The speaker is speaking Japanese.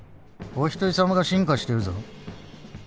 お一人さまが進化してるぞ。